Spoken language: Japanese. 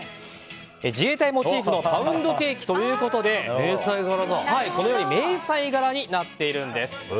自衛隊モチーフのパウンドケーキということで迷彩柄になっているんです。